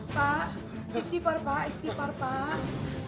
pak istighfar pak istighfar pak